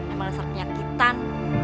emang dasar penyakitan